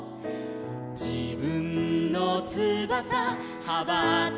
「じぶんのつばさはばたかせて」